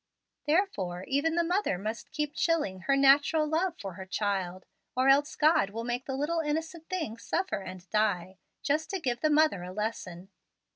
Therefore, even the mother must keep chilling her natural love for her child, or else God will make the innocent little thing suffer and die, just to give the mother a lesson.